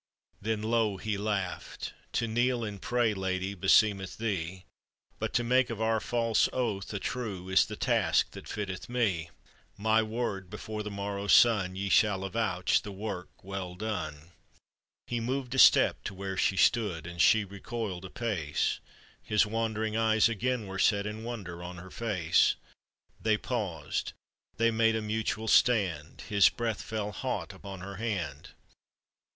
Then low he laughed: " To kneel and pray, Lady, beseemeth thee, But to make of our false oath a true Is the task that fitteth me; My word, before the morrow's sun, You shall avouch the work well done." He moved a step to where she stood, And she recoiled a pace; His wandering eyes again were set In wonder on her face. They paused, they made a mutual stand; His breath fell hot upon her hand.